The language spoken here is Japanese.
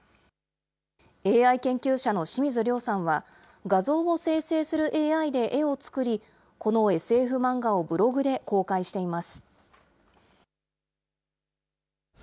ＡＩ研究者の清水亮さんは、画像を生成するＡＩで絵を作り、このＳＦ漫画をブログで公開しています。